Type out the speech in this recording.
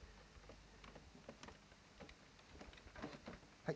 はい。